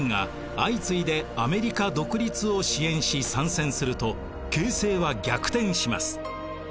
相次いでアメリカ独立を支援し参戦すると形勢は逆転します。